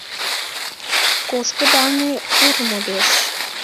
Кож кыдалне ур модеш